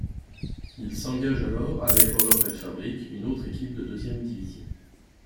Il s'engage alors avec Overpelt Fabriek, une autre équipe de deuxième division.